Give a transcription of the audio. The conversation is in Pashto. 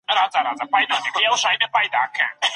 ډيجيټلي وسايل د ښوونکو کار کموي او تدريس په اسانۍ پرمخ بيايي.